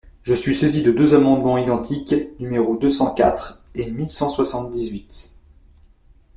Je suis saisie de deux amendements identiques, numéros deux cent quatre et mille cent soixante-dix-huit.